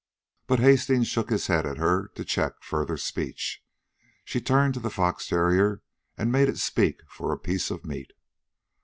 But Hastings shook his head at her to check further speech. She turned to the fox terrier and made it speak for a piece of meat.